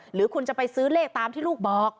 หรือคุณจะไปซื้อเลขตามที่ลูกบอก